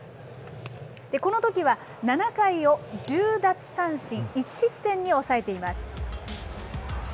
このときは７回を１０奪三振１失点に抑えています。